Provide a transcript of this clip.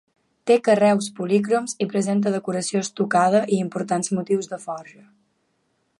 Té carreus policroms i presenta decoració estucada i importants motius de forja.